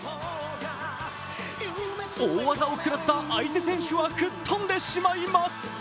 大技を食らった相手選手は吹っ飛んでしまいます。